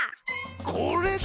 これだ！